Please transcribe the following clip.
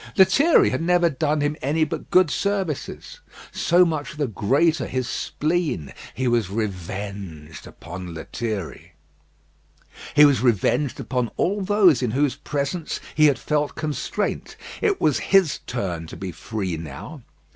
Lethierry had never done him any but good services; so much the greater his spleen. He was revenged upon Lethierry. He was revenged upon all those in whose presence he had felt constraint. It was his turn to be free now.